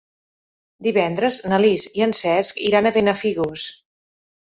Divendres na Lis i en Cesc iran a Benafigos.